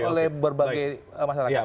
oleh berbagai masyarakat